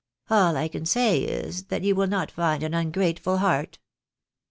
All I can say is, that you will not find an ungrateful heart."